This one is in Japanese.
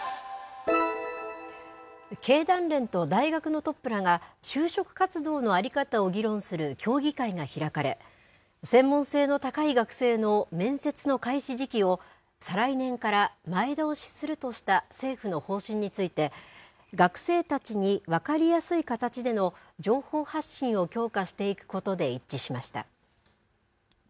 経団連と大学のトップらが、就職活動の在り方を議論する協議会が開かれ、専門性の高い学生の面接の開始時期を、再来年から前倒しするとした政府の方針について、学生たちに分かりやすい形での情報発信を強化していくことで一致しました。